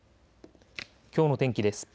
きょうの天気です。